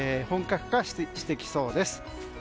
本格化してきそうです。